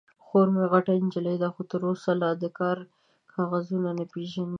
_خور مې غټه نجلۍ ده، خو تر اوسه لا د کار کاغذونه نه پېژني.